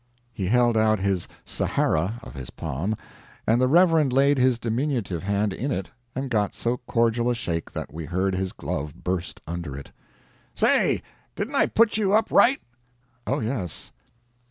He held out his Sahara of his palm, and the Reverend laid his diminutive hand in it, and got so cordial a shake that we heard his glove burst under it. "Say, didn't I put you up right?" "Oh, yes."